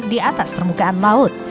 di atas permukaan laut